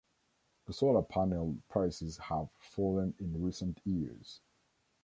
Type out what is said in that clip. The solar panel prices have fallen in recent years.